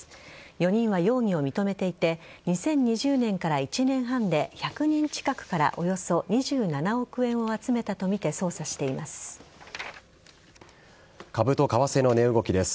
４人は容疑を認めていて２０２０年から１年半で１００人近くからおよそ２７億円を集めたとみて株と為替の値動きです。